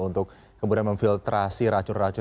untuk kemudian memfiltrasi racun racun